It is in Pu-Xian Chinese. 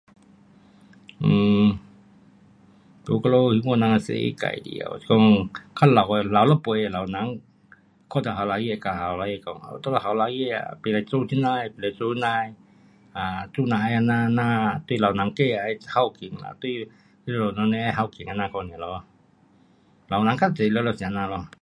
嗯，在我们兴华人是他自得，是讲较老的老一辈的老人会跟年轻儿讲，你们年轻儿不可做这样的，嘞做那样的，啊做人要这样这样，对老人也得孝敬呐。对你们母亲要孝敬。老人家较多就是这样尔咯。